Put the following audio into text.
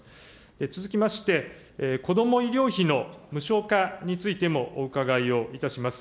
続きまして、こども医療費の無償化についてもお伺いをいたします。